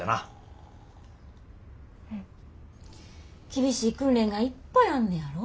厳しい訓練がいっぱいあんねやろ。